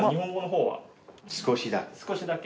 少しだけ。